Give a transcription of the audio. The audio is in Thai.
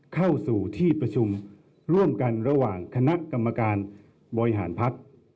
เข้าสู่ที่ประชุมร่วมกันระหว่างคณะกรรมการบริหารภักดิ์